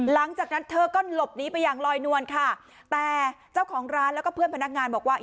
หลังจากนั้นเธอก็หลบหนีไปอย่างลอยนวลค่ะแต่เจ้าของร้านแล้วก็เพื่อนพนักงานบอกว่า